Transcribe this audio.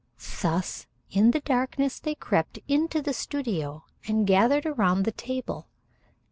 Thus in the darkness they crept into the studio and gathered around the table.